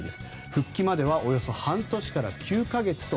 復帰まではおよそ半年から９か月と。